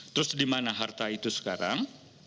terus di mana harta itu sekarang